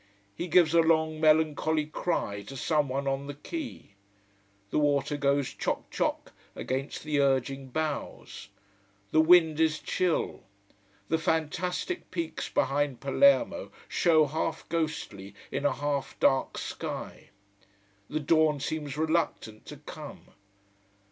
He gives a long, melancholy cry to someone on the quay. The water goes chock chock against the urging bows. The wind is chill. The fantastic peaks behind Palermo show half ghostly in a half dark sky. The dawn seems reluctant to come.